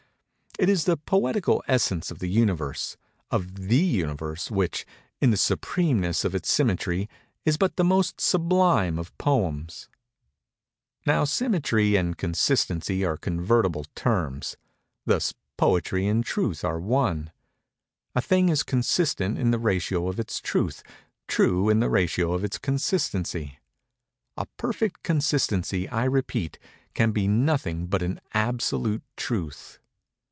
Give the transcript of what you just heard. It is the poetical essence of the Universe—of the Universe which, in the supremeness of its symmetry, is but the most sublime of poems. Now symmetry and consistency are convertible terms:—thus Poetry and Truth are one. A thing is consistent in the ratio of its truth—true in the ratio of its consistency. _A perfect consistency, I repeat, can be nothing but an absolute truth.